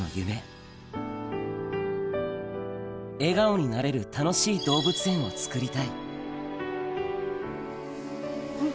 笑顔になれる楽しい動物園をつくりたいうん！